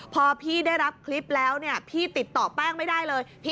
พอพี่ได้รับคลิปแล้วเนี่ยพี่ติดต่อแป้งไม่ได้เลย